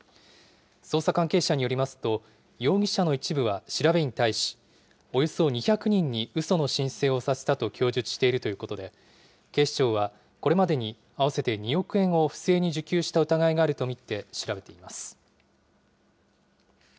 捜査関係者によりますと、容疑者の一部は調べに対し、およそ２００人にうその申請をさせたと供述しているということで、警視庁はこれまでに合わせて２億円を不正に受給した疑いがあると見て調べています。